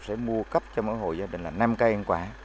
sẽ mua cấp cho mỗi hộ gia đình là năm cây ăn quả